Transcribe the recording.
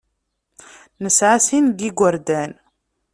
Nesɛa sin n yigerdan.